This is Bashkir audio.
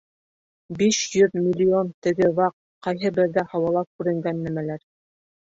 Биш йөҙ миллион теге ваҡ, ҡайһы берҙә һауала күренгән нәмәләр.